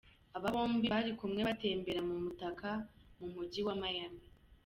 Aba bombi bari kumwe batembera mu mutaka mu mujyi wa Miami.